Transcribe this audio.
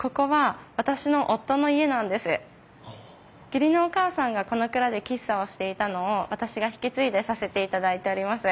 義理のお母さんがこの蔵で喫茶をしていたのを私が引き継いでさせていただいております。